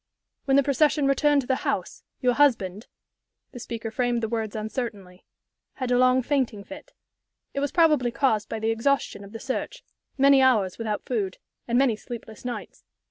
"When the procession returned to the house, your husband" the speaker framed the words uncertainly "had a long fainting fit. It was probably caused by the exhaustion of the search many hours without food and many sleepless nights.